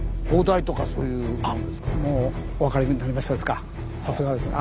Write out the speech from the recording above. あっもうお分かりになりましたですか。